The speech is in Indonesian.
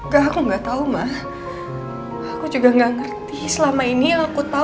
jangan masuk obstaculut